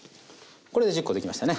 これで１０コ出来ましたね。